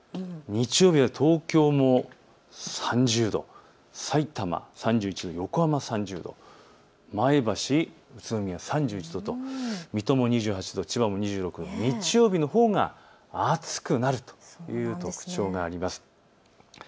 日曜日は東京も３０度、さいたま３１度、横浜３０度、前橋、宇都宮３１度と、水戸も千葉も日曜日のほうが暑くなるという特徴があります。